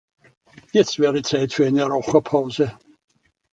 Jetzt wäre Zeit für eine Raucherpause.